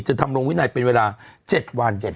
ทำลงวินัยเป็นเวลา๗วัน